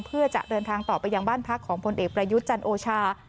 เพื่อจะเดินทางต่อไปยังบ้านพักของพลเอกประยุทธ์จันโอชา